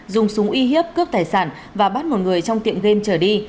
dùng súng uy hiếp cướp tài sản và bắt một người trong tiệm game trở đi